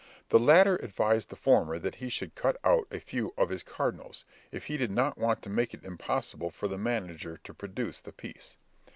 The latter advised the former that he should cut out a few of his cardinals, if he did not want to make it impossible for the manager to produce the piece.